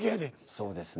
そうですね。